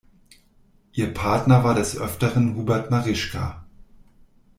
Ihr Partner war des Öfteren Hubert Marischka.